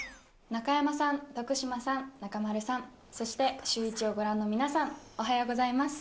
中山さん、徳島さん、中丸さん、そしてシューイチをご覧の皆さん、おはようございます。